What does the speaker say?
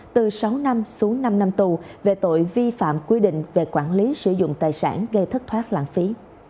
từ sáu năm xuống năm năm tù về tội vi phạm quy định về quản lý sử dụng tài sản gây thất thoát lãng phí